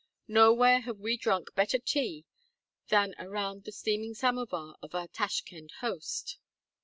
Nowhere have we drunk better tea than around the steaming samovar of our Tashkend host.